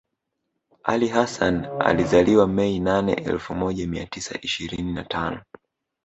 Ali Hassan Mwinyi alizaliwa Mei nane elfu moja mia tisa ishirini na tano